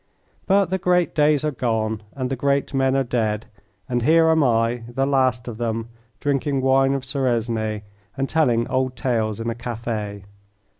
But the great days are gone and the great men are dead, and here am I, the last of them, drinking wine of Suresnes and telling old tales in a cafe.